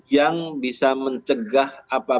yang bisa mencegah